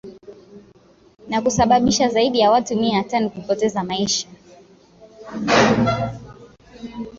na kusabisha zaidi ya watu mia tano kupoteza maisha